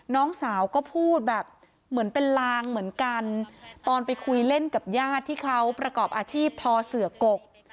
น้องสาวก็พูดแบบเหมือนเป็นลางเหมือนกันตอนไปคุยเล่นกับญาติที่เขาประกอบอาชีพทอเสือกก